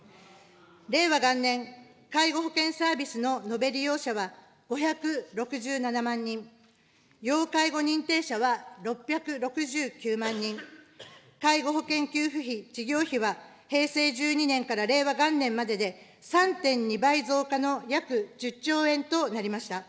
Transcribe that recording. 令和元年、介護保険サービスの延べ利用者は５６７万人、要介護認定者は６６９万人、介護保険給付費・事業費は平成１２年から令和元年までで３．２倍増加の約１０兆円となりました。